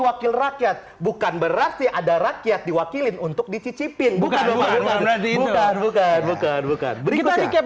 wakil rakyat bukan berarti ada rakyat diwakili untuk dicicipin bukan bukan bukan bukan bukan